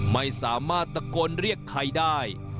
ไม่สามารถตะโกนเรียกใครได้